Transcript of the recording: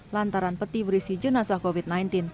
lantaran peti berisi jenazah covid sembilan belas